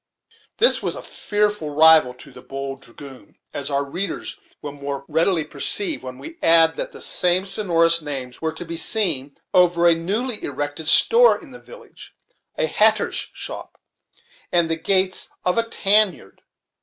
This was a fearful rival to the "Bold Dragoon," as our readers will the more readily perceive when we add that the same sonorous names were to be seen over a newly erected store in the village, a hatter's shop, and the gates of a tan yard.